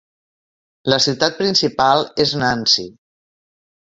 La ciutat principal és Nancy.